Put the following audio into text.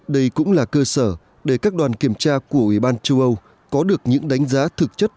đây cũng là cơ sở để các đoàn kiểm tra của ủy ban châu âu có được những đánh giá thực chất